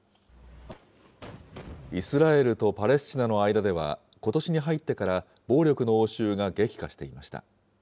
イスラエルとパレスチナの間では、ことしに入ってから、暴力の応酬が激化していました。